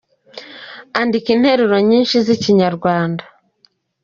Andika interuro nyinci zi ikinyarwanda.